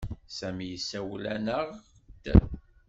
Sami yessawel-aneɣ-d.